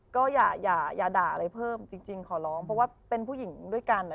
ก็อย่าด่าอะไรเพิ่มจริงขอร้องเพราะว่าเป็นผู้หญิงด้วยกัน